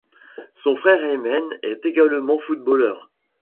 Son frère Aymen est également footballeur.